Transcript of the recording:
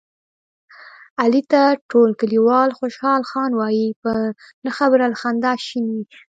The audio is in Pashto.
علي ته ټول کلیوال خوشحال خان وایي، په نه خبره له خندا شین وي.